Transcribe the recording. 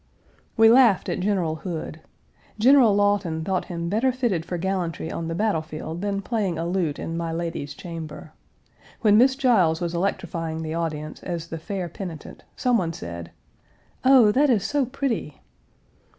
We laughed at General Hood. General Lawton thought him better fitted for gallantry on the battle field than playing a lute in my lady's chamber. When Miss Giles was electrifying the audience as the Fair Penitent, some one said: "Oh, that is so pretty!"